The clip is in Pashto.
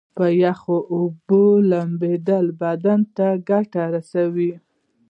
په یخو اوبو لمبیدل بدن ته ګټه رسوي.